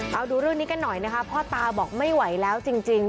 เอาดูเรื่องนี้กันหน่อยนะคะพ่อตาบอกไม่ไหวแล้วจริง